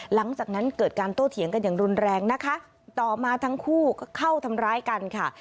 หลังจากนั้นเกิดการโต้เถียงกันอย่างรุนแรงนะคะต่อมาทั้งคู่ก็เข้าทำร้ายกันค่ะ